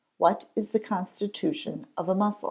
_What is the constitution of a muscle?